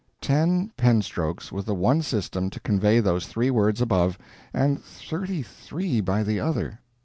Ten pen strokes with the one system to convey those three words above, and thirty three by the other!